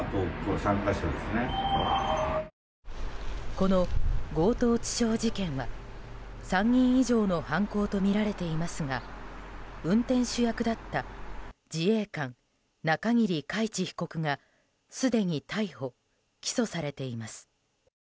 この強盗致傷事件は３人以上の犯行とみられていますが運転手役だった自衛官、中桐海知被告がすでに逮捕・起訴されています。